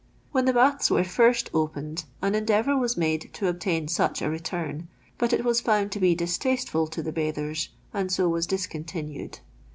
When the baths were first opened an endeavour was made to obtain such a return ; but it was found to be distasteful to the bathers, and so was discontinued.